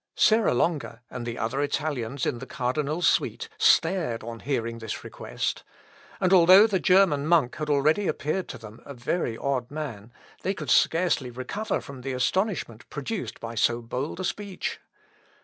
Serra Longa, and the other Italians in the cardinal's suite, stared on hearing this request; and although the German monk had already appeared to them a very odd man, they could scarcely recover from the astonishment produced by so bold a speech.